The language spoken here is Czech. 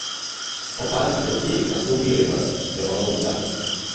O pár dní později nastoupí Rimmer do onoho výtahu.